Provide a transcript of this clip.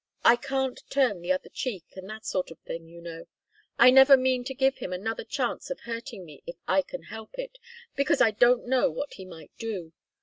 I can't turn the other cheek, and that sort of thing, you know. I never mean to give him another chance of hurting me, if I can help it, because I don't know what he might do.